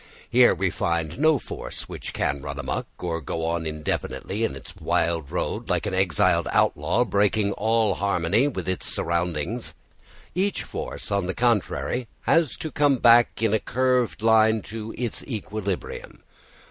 Here we find no force which can run amok, or go on indefinitely in its wild road, like an exiled outlaw, breaking all harmony with its surroundings; each force, on the contrary, has to come back in a curved line to its equilibrium.